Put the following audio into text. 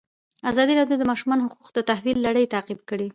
ازادي راډیو د د ماشومانو حقونه د تحول لړۍ تعقیب کړې.